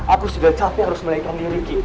aku sudah capek harus melihat kemiri ki